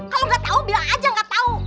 kalau nggak tau bilang aja nggak tau